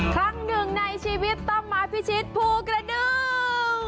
ครั้งหนึ่งในชีวิตต้องมาพิชิตภูกระดึง